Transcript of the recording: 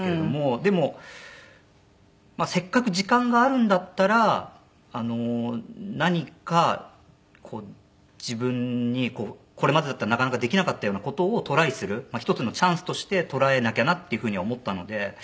でもせっかく時間があるんだったら何かこう自分にこれまでだったらなかなかできなかったような事をトライする１つのチャンスとして捉えなきゃなっていう風には思ったので。